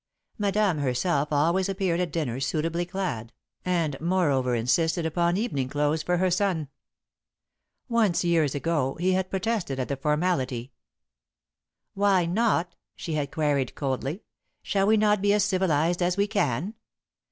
Madame herself always appeared at dinner suitably clad, and, moreover, insisted upon evening clothes for her son. Once, years ago, he had protested at the formality. [Sidenote: The Magic of Sunlight] "Why not?" she had queried coldly. "Shall we not be as civilised as we can?"